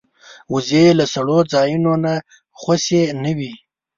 وزې له سړو ځایونو نه خوشې نه وي